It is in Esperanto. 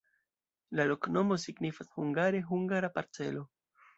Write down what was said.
La loknomo signifas hungare: hungara-parcelo.